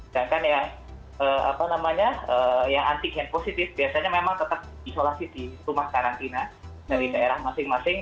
sedangkan yang antigen positif biasanya memang tetap isolasi di rumah karantina dari daerah masing masing